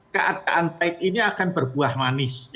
keadaan baik ini akan berbuah manis